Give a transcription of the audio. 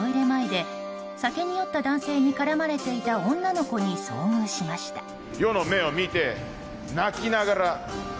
前で酒に酔った男性に絡まれていた女の子に遭遇しました。